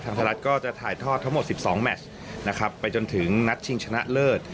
ไทยรัฐก็จะถ่ายทอดทั้งหมด๑๒แมชนะครับไปจนถึงนัดชิงชนะเลิศ